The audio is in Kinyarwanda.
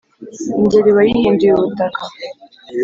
ingeri wayihinduye ubutaka.